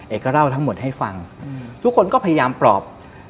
เล่าทั้งหมดให้ฟังทุกคนก็พยายามปลอบ